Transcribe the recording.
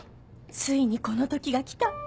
ついにこの時が来た